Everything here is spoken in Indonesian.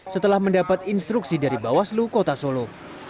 setelah mendapat instruksi dari bawah selu kota solo